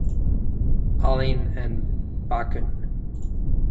Allyn and Bacon.